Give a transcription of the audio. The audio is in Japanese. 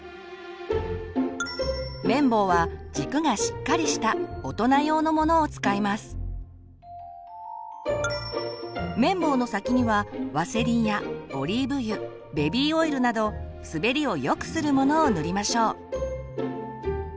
綿棒は軸がしっかりした綿棒の先にはワセリンやオリーブ油ベビーオイルなど滑りをよくするものを塗りましょう。